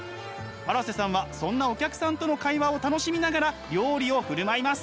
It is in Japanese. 荒瀬さんはそんなお客さんとの会話を楽しみながら料理を振る舞います。